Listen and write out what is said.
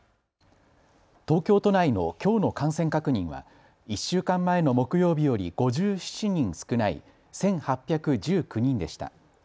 東京都内のきょうの感染確認は１週間前の木曜日より５７人少ない１８１９人でした。